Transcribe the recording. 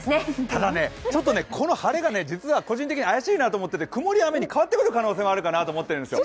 ただね、この晴れが個人的には怪しいなと思っていて曇り雨に変わってくる可能性もあるんじゃないかなと思うんですよ。